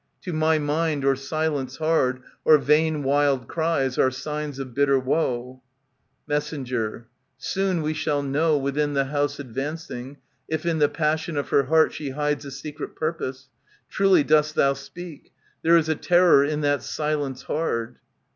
To my mind, or silence hard, Or vain wild cries, are signs of bitter woe. Mess, Soon we shall know, within the house advanc ing, If, in the passion of her heart, she hides A secret purpose. Truly dost thou speak ; There is a terror in that silence hard.